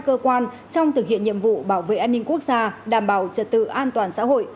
cơ quan trong thực hiện nhiệm vụ bảo vệ an ninh quốc gia đảm bảo trật tự an toàn xã hội